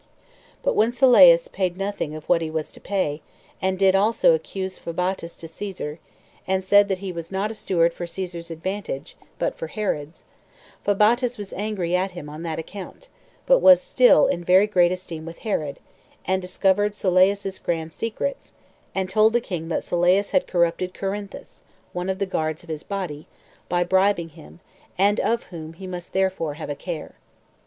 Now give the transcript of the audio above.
But when Sylleus paid nothing of what he was to pay, and did also accuse Phabatus to Caesar, and said that he was not a steward for Caesar's advantage, but for Herod's, Phabatus was angry at him on that account, but was still in very great esteem with Herod, and discovered Sylleus's grand secrets, and told the king that Sylleus had corrupted Corinthus, one of the guards of his body, by bribing him, and of whom he must therefore have a care.